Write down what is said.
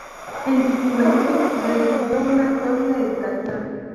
En su juventud recibió una sólida educación.